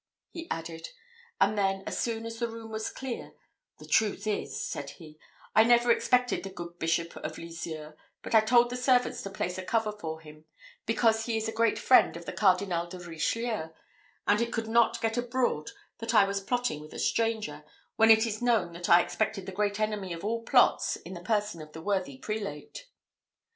he added; and then, as soon as the room was clear, "The truth is," said he, "I never expected the good Bishop of Lizieux, but I told the servants to place a cover for him, because he is a great friend of the Cardinal de Richelieu; and it could not get abroad that I was plotting with a stranger, when it is known that I expected the great enemy of all plots in the person of the worthy prelate."